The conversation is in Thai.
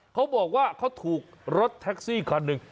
เขาบอกว่าเขาถูกรถแท็กซี่คันหนึ่ง